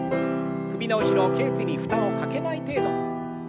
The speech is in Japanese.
首の後ろけい椎に負担をかけない程度。